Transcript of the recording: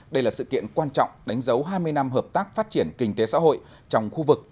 đây là sự kiện quan trọng đánh dấu hai mươi năm hợp tác phát triển kinh tế xã hội trong khu vực